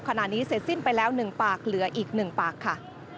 ขณะนี้เสร็จสิ้นไปแล้ว๑ปากเหลืออีก๑ปากค่ะ